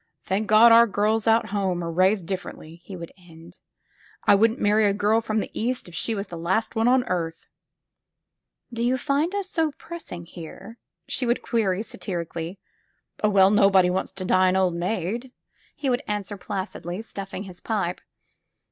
'"Thank God, our girls out home are raised diflEer ently," he would end. '*I wouldn't marry a girl from the East if she was the last one on earth!" *'Do you find us so pressing, here?" she would query satirically. *'0h, well, nobody wants to die an old maid," he would answer placidly, stuffing his pipe.